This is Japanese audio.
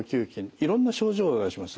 いろんな症状を出します。